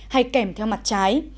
hay kèm theo mặt trái